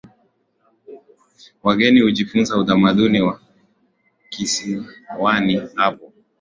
Wageni hujifunza utamaduni wa kisiwani hapo